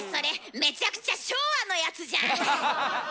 めちゃくちゃ昭和のやつじゃん。